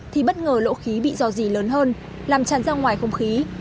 thì bất ngờ lỗ khí bị do gì lớn hơn làm tràn ra ngoài không khí